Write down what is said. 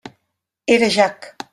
Era Jack.